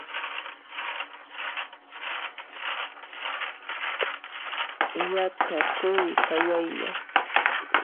Yaqa quwi sayaylla.